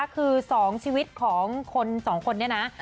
คือ๒ชีวิตของ๒คนนี้นะ